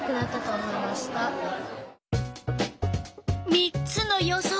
３つの予想